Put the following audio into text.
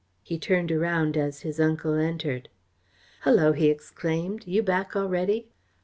He turned around as his uncle entered. "Hullo!" he exclaimed. "You back already!"